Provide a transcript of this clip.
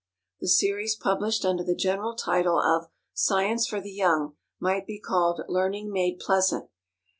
The series published under the general title of "Science for the Young" might be called "Learning made Pleasant."